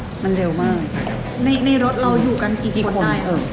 ในรถเราอยู่กันกี่คน